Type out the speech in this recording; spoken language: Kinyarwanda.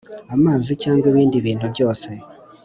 amazi cyangwa ibindi bintu byose